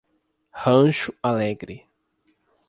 Rancho Alegre